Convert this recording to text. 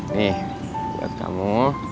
nih buat kamu